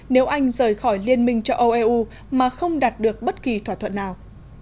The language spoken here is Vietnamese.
nếu anh rời khỏi liên minh cho eu mà không đạt được bất kỳ thỏa thuận nào